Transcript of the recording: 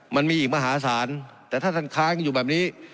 มันมีอีกมหาศาลแต่ถ้าท่านค้างอยู่แบบนี้